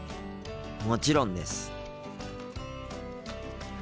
もちろんです。